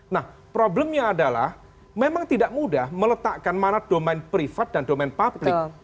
nah problemnya adalah memang tidak mudah meletakkan mana domain privat dan domain publik